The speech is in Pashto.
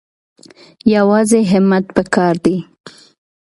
یوازې همت پکار دی